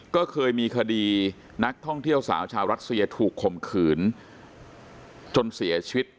ก็เคยมีคดีนักท่องเที่ยวสาวชาวรัสเซียถูกข่มขืนจนเสียชีวิต